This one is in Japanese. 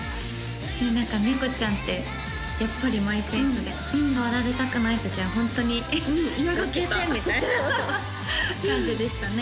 何か猫ちゃんってやっぱりマイペースで触られたくない時はホントにうん嫌がってたどけてみたいな感じでしたね